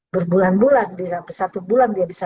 berbulan bulan satu bulan dia bisa